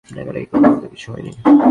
ডাকাডাকি করার মত কিছু হয়নি।